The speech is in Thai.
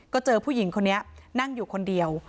ก็เจอผู้หญิงคนนี้นั่งอยู่คนเดียว